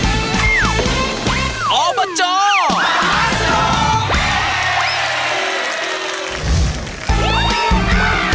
ลงไปตลาดนะครับกุภาโชค